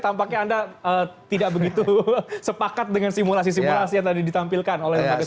tampaknya anda tidak begitu sepakat dengan simulasi simulasi yang tadi ditampilkan oleh pak agus